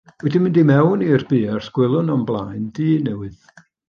Wedi mynd i mewn i'r buarth, gwelwn o'm blaen dŷ newydd.